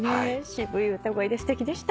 渋い歌声ですてきでした。